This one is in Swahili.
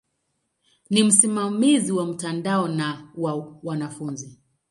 Ni msimamizi wa mtandao na wa wanafunzi.